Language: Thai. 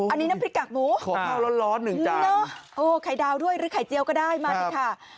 อันนี้น้ำพริกกรากหมูนะโอ้โหไข่ดาวด้วยหรือไข่เจียวก็ได้มานี่ค่ะ